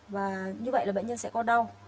và như vậy là bệnh nhân sẽ có đau